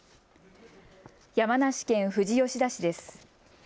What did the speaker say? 山梨県富士吉田市です。